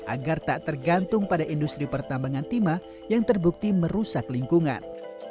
agar tak tergantung pada industri pertambangan timah yang terbukti merusak lingkungan